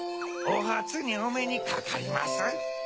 おはつにおめにかかります。